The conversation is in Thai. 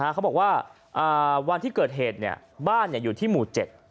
เขาบอกว่าวันที่เกิดเหตุบ้านอยู่ที่หมู่๗